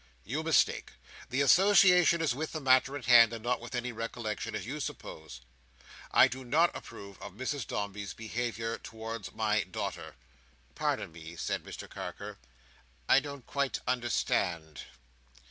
You mistake. The association is with the matter in hand, and not with any recollection, as you suppose. I do not approve of Mrs Dombey's behaviour towards my daughter." "Pardon me," said Mr Carker, "I don't quite understand."